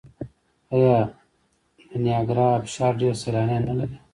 آیا د نیاګرا ابشار ډیر سیلانیان نلري؟